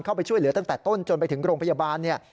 เข้าไปช่วยเหลือตั้งแต่ต้นจนไปถึงโรงพยาบาลเนี่ย